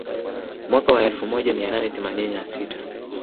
Mwaka wa elfu moja mia nane themanini na sita